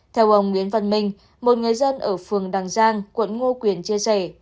theo ông nguyễn văn minh một người dân ở phường đằng giang quận ngô quyền chia sẻ